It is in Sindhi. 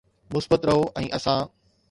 مثبت رهو ۽ اسان